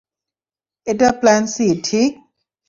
এটা plan C, ঠিক?